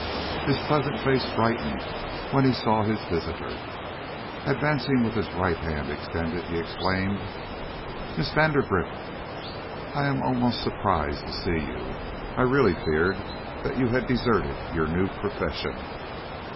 His pleasant face brightened when he saw his visitor. Advancing with his right hand extended, he exclaimed: "Miss Vandergrift, I am almost surprised to see you. I really feared that you had deserted your new profession."